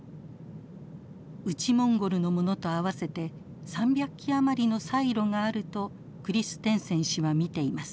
内モンゴルのものと合わせて３００基余りのサイロがあるとクリステンセン氏は見ています。